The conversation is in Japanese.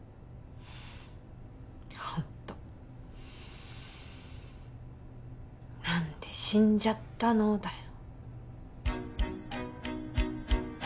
ホント何で死んじゃったのだよ